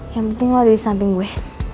yang penting lo ada di samping gue